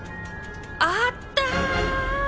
あった！